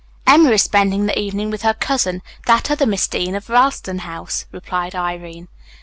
"Emma is spending the evening with her cousin, that other Miss Dean of Ralston House," replied Irene.